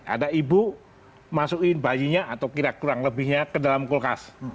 ada ibu masukin bayinya atau kurang lebihnya ke dalam kulkas